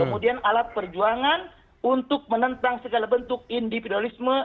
kemudian alat perjuangan untuk menentang segala bentuk individualisme